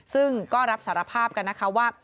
ซึ่งก็รับสารภาพกันนะคะว่า